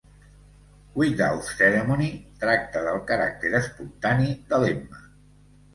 "Without Ceremony" tracta del caràcter espontani de l'Emma.